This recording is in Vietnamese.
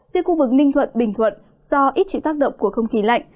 riêng khu vực ninh thuận bình thuận do ít chịu tác động của không khí lạnh